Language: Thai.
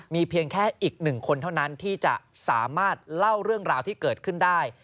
มีเพียงแค่อีกหนึ่งคนเท่านั้นที่จะสามารถเล่าเรื่องราวที่เกิดขึ้นได้